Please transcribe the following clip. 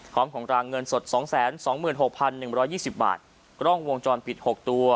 ของรางเงินสดสองแสนสองสองหมื่นหกพันหนึ่งร้อยยี่สิบบาทกล้องวงจรปิด๖ตัว